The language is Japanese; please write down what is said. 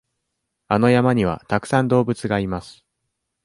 あの山にはたくさん動物がいます。